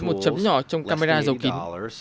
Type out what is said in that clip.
một chấm nhỏ trong camera dò kín